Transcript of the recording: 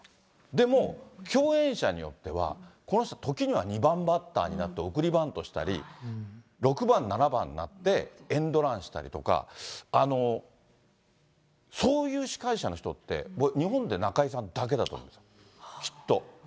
でも、共演者によっては、この人は時には２番バッターになって、送りバントしたり、６番、７番になってエンドランしたりとか、そういう司会者の人って、僕、日本で中居さんだけだと思うんですよ、きっと。